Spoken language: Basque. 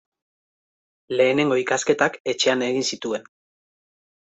Lehenengo ikasketak etxean egin zituen.